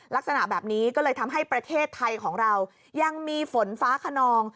ลักษณะแบบนี้ก็เลยทำให้ประเทศไทยของเรายังมีฝนฟ้าขนอง